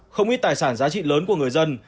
không ít tài sản giá trị lớn của người dân